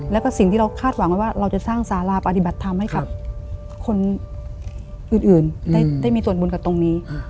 แล้วก็สิ่งที่เราคาดหวังไว้ว่าเราจะสร้างสาราปฏิบัติธรรมให้กับคนอื่นได้มีส่วนบุญกับตรงนี้